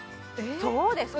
そうです